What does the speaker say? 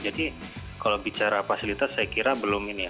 jadi kalau bicara fasilitas saya kira belum ini